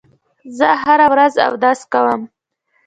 زه هره ورځ اودس کوم.